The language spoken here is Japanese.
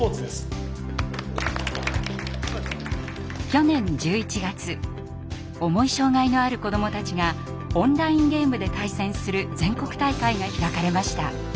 去年１１月重い障害のある子どもたちがオンラインゲームで対戦する全国大会が開かれました。